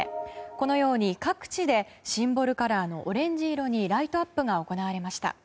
このように、各地でシンボルカラーのオレンジ色にライトアップが行われました。